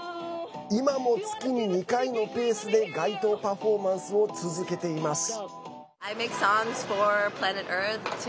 今も月に２回のペースで街頭パフォーマンスを続けています。